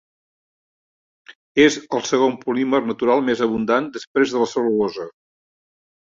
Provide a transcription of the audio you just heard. És el segon polímer natural més abundant després de la cel·lulosa.